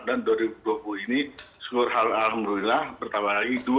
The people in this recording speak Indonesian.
dan dua ribu dua puluh ini segera alhamdulillah bertambah lagi dua